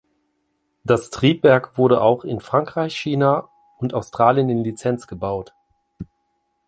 Das Triebwerk wurde auch in Frankreich, China und Australien in Lizenz gebaut.